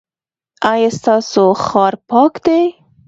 ایا ستاسو ښار پاک دی؟